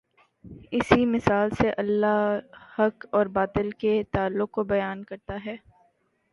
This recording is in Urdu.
اسی مثال سے اللہ حق اور باطل کے تعلق کو بیان کرتا ہے۔